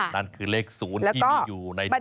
นั่นคือเลข๐ที่มีอยู่ในโทรศัพท์